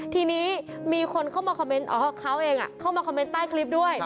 ทีนี้มีคนเข้ามาคอมเมนต์เขาเองเข้ามาคอมเมนต์ใต้คลิปด้วย